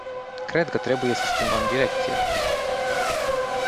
Cred că trebuie să schimbăm direcția.